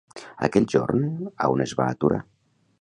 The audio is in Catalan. Aquell jorn, a on es va aturar?